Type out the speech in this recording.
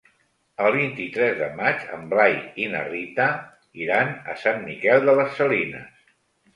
El vint-i-tres de maig en Blai i na Rita iran a Sant Miquel de les Salines.